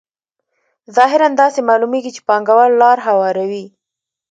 ظاهراً داسې معلومېږي چې پانګوال لار هواروي